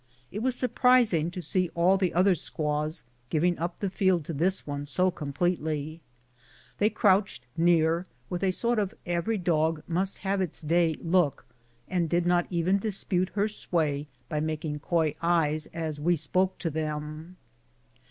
It was surprising to see all the other squaws giving up the field to this one so completely. They crouched near, with a sort of " every dog must have its day " look, and did not even dispute lier sway by making coy eyes as we spoke to them.